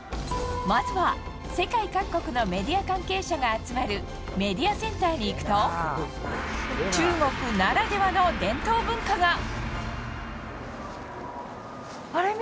まずは、世界各国のメディア関係者が集まるメディアセンターに行くと中国ならではの伝統文化が。